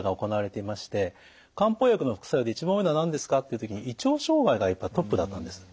漢方薬の副作用で一番多いのは何ですかという時に胃腸障害がトップだったんです。